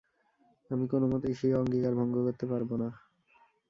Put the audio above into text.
আমি কোনমতেই স্বীয় অঙ্গীকার ভঙ্গ করতে পারব না।